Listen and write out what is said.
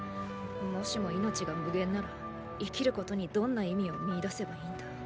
もしも命が無限なら生きることにどんな意味を見出せばいいんだ？